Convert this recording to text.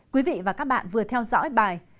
quý vị và các bạn vừa theo dõi bài